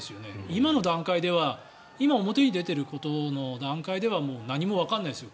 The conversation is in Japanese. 今の段階では今、表に出ていることの段階ではもう何もわからないですよ。